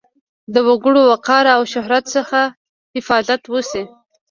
د وګړو وقار او شهرت څخه حفاظت وشي.